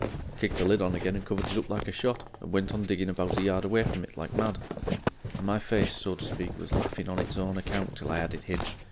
"Kicked the lid on again and covered it up like a shot, and went on digging about a yard away from it like mad. And my face, so to speak, was laughing on its own account till I had it hid.